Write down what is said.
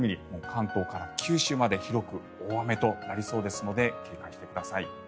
関東から九州まで広く大雨となりそうですので警戒してください。